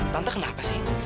tante kenapa sih